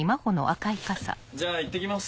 じゃあいってきます。